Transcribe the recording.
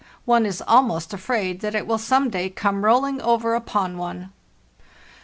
One is almost afraid that it will some day come rolling over upon one."